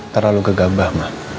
terlalu gegabah ma